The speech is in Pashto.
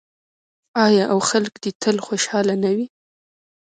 آیا او خلک دې یې تل خوشحاله نه وي؟